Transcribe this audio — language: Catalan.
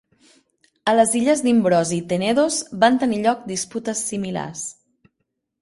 A les illes d'Imbros i Tenedos van tenir lloc disputes similars.